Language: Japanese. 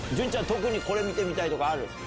特にこれ見てみたいとかある？